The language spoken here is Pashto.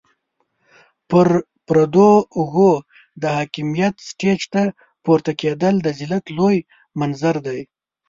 پر پردو اوږو د حاکميت سټېج ته پورته کېدل د ذلت لوی منظر دی.